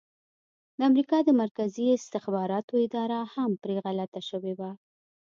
د امریکا د مرکزي استخباراتو اداره هم پرې غلطه شوې وه.